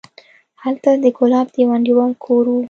هلته د ګلاب د يوه انډيوال کور و.